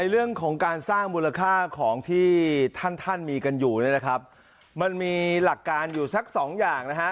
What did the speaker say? เรื่องของการสร้างมูลค่าของที่ท่านท่านมีกันอยู่เนี่ยนะครับมันมีหลักการอยู่สักสองอย่างนะฮะ